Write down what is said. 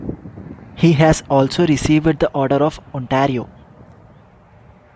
He has also received the Order of Ontario.